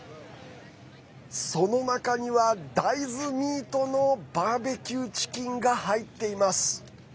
その中には大豆ミートのバーベキューチキンが入っています。